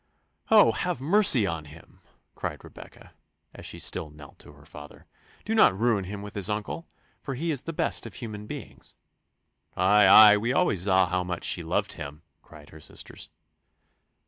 "Oh! have mercy on him!" cried Rebecca, as she still knelt to her father: "do not ruin him with his uncle, for he is the best of human beings." "Ay, ay, we always saw how much she loved him," cried her sisters.